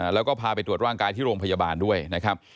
แล้วก็พาไปตรวจร่างกายที่โรงพยาบาลด้วยนะครับ